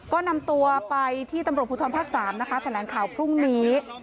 ก็นำตัวไปที่ตำรวจภูทรภาค๓นะคะแถลงข่าวพรุ่งนี้